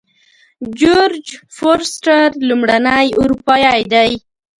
جورج فورسټر لومړنی اروپایی دی.